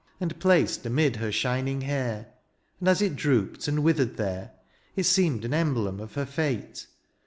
And placed amid her shining hair ; And as it drooped and withered there. It seemed an emblem of her fate.